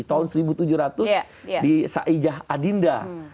tahun seribu tujuh ratus di sa'ijah adinda